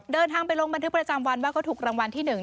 เดินทางไปลงบันทึกประจำวันว่าเขาถูกรางวัลที่๑